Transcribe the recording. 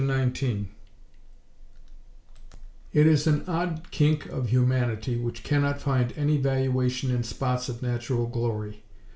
XIX It is an odd kink of humanity which cannot find any valuation in spots of natural glory.